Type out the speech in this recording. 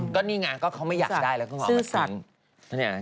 ก็นี่ไงก็เขาไม่อยากได้แล้วก็เอามาทิ้ง